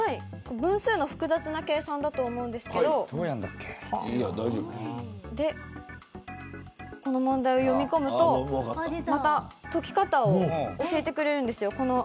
分数の複雑な計算だと思いますが問題を読み込むと解き方を教えてくれるんです。